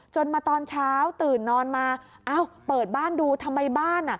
จนมาตอนเช้าตื่นนอนมาเปิดบ้านดูทำไมบ้าน